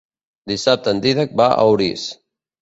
Dissabte en Dídac va a Orís.